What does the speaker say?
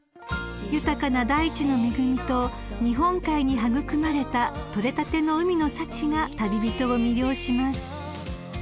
［豊かな大地の恵みと日本海に育まれた取れたての海の幸が旅人を魅了します］